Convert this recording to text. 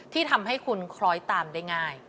ที่ทำให้คุณคล้อยตามได้ง่าย